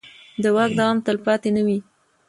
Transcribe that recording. د واک دوام تلپاتې نه وي